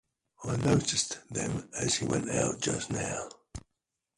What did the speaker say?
I noticed them as he went out just now.